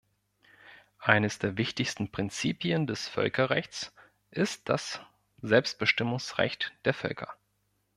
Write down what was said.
Eines der wichtigsten Prinzipien des Völkerrechts ist das Selbstbestimmungsrecht der Völker.